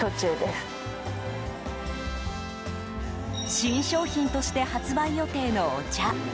新商品として発売予定のお茶。